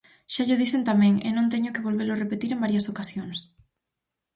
Xa llo dixen tamén, e non teño que volvelo repetir en varias ocasións.